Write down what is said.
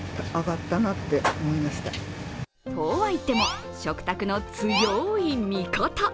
とはいっても食卓の強い味方。